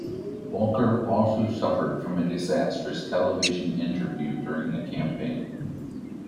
Walker also suffered from a disastrous television interview during the campaign.